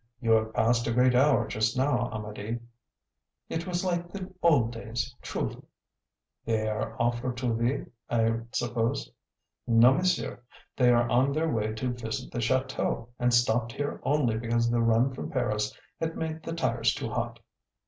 "You have passed a great hour just now, Amedee." "It was like the old days, truly!" "They are off for Trouville, I suppose." "No, monsieur, they are on their way to visit the chateau, and stopped here only because the run from Paris had made the tires too hot."